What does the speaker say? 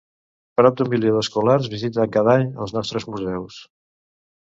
Prop d'un milió d'escolars visiten cada any els nostres museus.